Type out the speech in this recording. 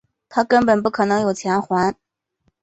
他根本不可能有钱还